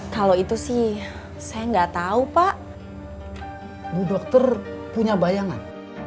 kalau itu sih saya nggak tahu pak bu dokter punya bayangan